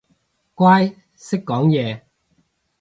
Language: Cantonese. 乖，識講嘢